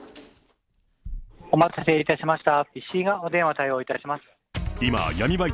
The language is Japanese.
お待たせいたしました、